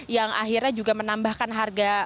yang akhirnya juga menambahkan harga